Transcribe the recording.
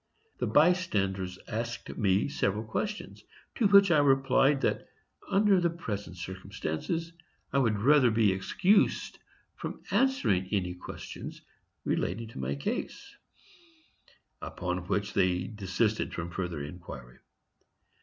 The bystanders asked me several questions, to which I replied that under the present circumstances I would rather be excused from answering any questions relating to my case; upon which they desisted from further inquiry.